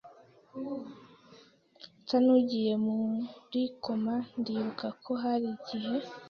nsa n’ugiye muri koma ndibuka ko hari igihe